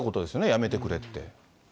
やめてくれって。